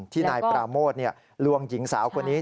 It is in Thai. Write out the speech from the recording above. นายปราโมทลวงหญิงสาวคนนี้